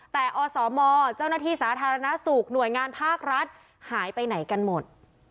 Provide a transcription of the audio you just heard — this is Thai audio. แต่อสมเจ้าหน้าที่สาธารณสุขหน่วยงานภาครัฐหายไปไหนกันหมด